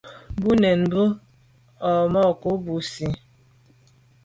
Mû’ndə̀ bù à’ mà’ ú cá ú zî bə́.